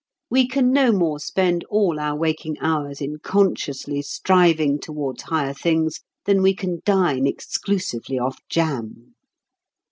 We can no more spend all our waking hours in consciously striving towards higher things than we can dine exclusively off jam.